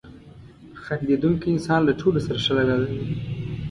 • خندېدونکی انسان له ټولو سره ښه رویه لري.